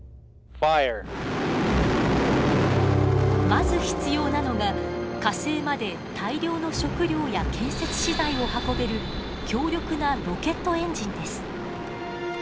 まず必要なのが火星まで大量の食糧や建設資材を運べる強力なロケットエンジンです。